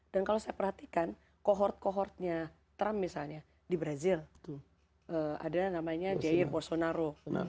dan kalau saya perhatikan kohort kohortnya trump misalnya di brazil ada namanya jair bolsonaro